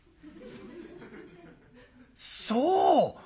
「そう！